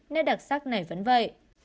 nét đặc sắc này vẫn vậy